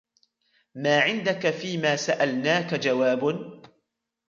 مَا عِنْدَك فِيمَا سَأَلْنَاك جَوَابٌ